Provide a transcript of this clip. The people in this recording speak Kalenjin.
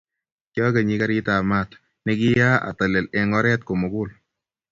Kiakonyi garit ap mat ne kiyaa atelel eng oret komugul